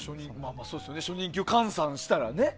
初任給に換算したらね。